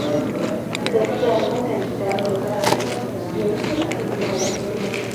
De este álbum se editaron dos sencillos: Beautiful y Friend.